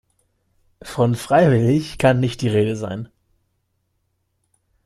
Von freiwillig kann nicht die Rede sein.